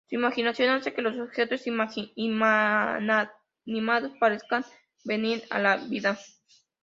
Su imaginación hace que los objetos inanimados parezcan venir a la vida.